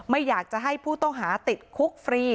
ไม่อยากจะให้ผู้ต้องหาติดคุกฟรี